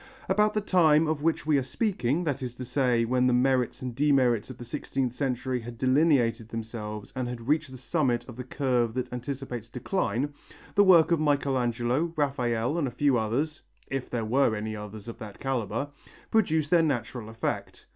About the time of which we are speaking, that is to say when the merits and demerits of the sixteenth century had delineated themselves and had reached the summit of the curve that anticipates decline, the work of Michelangelo, Raphael and a few others if there were any others of that calibre produced their natural effect.